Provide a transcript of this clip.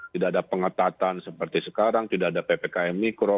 tidak ada pengetatan seperti sekarang tidak ada ppkm mikro